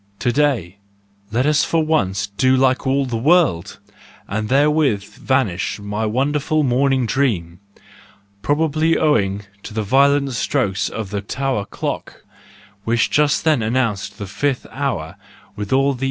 To¬ day, let us for once do like all the world!—And therewith vanished my wonderful morning dream, probably owing to the violent strokes of the tower clock, which just then announced the fifth hour with all the.